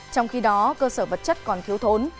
trong khi đó cơ sở vật chất còn thiếu thốn